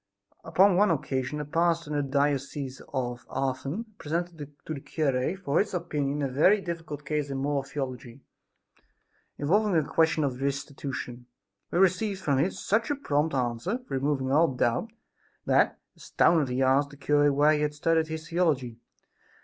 Upon one occasion a pastor in the diocese of Autun, presented to the cure for his opinion a very difficult case in moral theology, involving a question of restitution. He received from him such a prompt answer, removing all doubt that, astounded, he asked the cure where he had studied his theology?